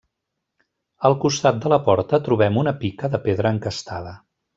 Al costat de la porta trobem una pica de pedra encastada.